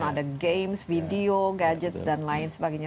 ada games video gadget dan lain sebagainya